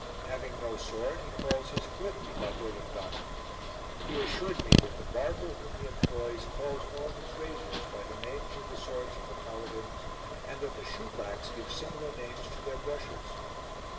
Having no sword, he calls his whip la Durlindana. He assured me that the barber whom he employs calls all his razors by the names of the swords of the paladins, and that the shoe blacks give similar names to their brushes.